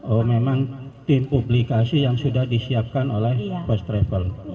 oh memang tim publikasi yang sudah disiapkan oleh first travel